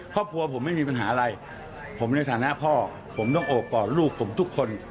ครอบครัวผมไม่มีปัญหาอะไรผมในฐานะพ่อผมต้องโอบกอดลูกผมทุกคน